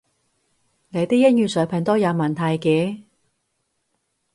你啲英語水平都有問題嘅